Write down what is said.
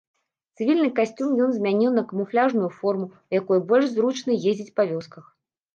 Цывільны касцюм ён змяніў на камуфляжную форму, у якой больш зручна ездзіць па вёсках.